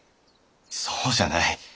そうじゃない。